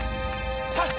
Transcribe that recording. はっ！